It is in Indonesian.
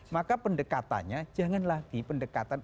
maka pendekatannya jangan lagi pendekatan